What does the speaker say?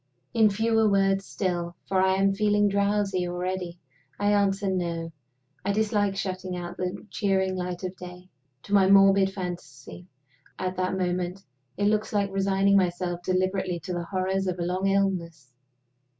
In fewer words still for I am feeling drowsy already I answer No. I dislike shutting out the cheering light of day. To my morbid fancy, at that moment, it looks like resigning myself deliberately to the horrors of a long illness.